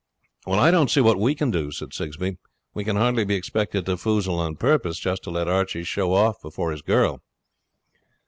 'Well, I don't see what we can do,' said Sigsbee. 'We can hardly be expected to foozle on purpose, just to let Archie show off before his girl.'